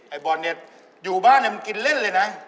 ไอบอลเนี่ยอยู่บ้านเนี่ยมันกินเล่นเลยนะ